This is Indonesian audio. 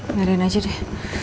marahin aja deh